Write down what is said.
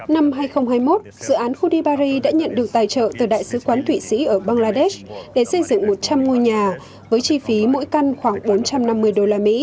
năm hai nghìn hai mươi một dự án khu dibari đã nhận được tài trợ từ đại sứ quán thụy sĩ ở bangladesh để xây dựng một trăm linh ngôi nhà với chi phí mỗi căn khoảng bốn trăm năm mươi usd